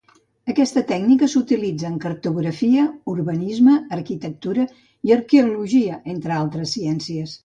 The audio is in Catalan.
Aquesta tècnica s’utilitza en cartografia, urbanisme, arquitectura i arqueologia entre altres ciències.